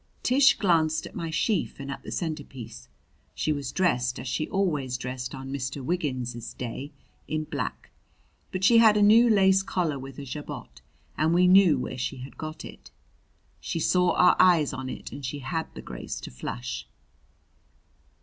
Tish glanced at my sheaf and at the centerpiece. She was dressed as she always dressed on Mr. Wiggins's day in black; but she had a new lace collar with a jabot, and we knew where she had got it. She saw our eyes on it and she had the grace to flush.